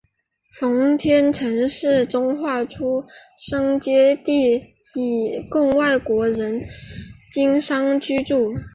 奉天城市中划出商埠地以供外国人经商居住。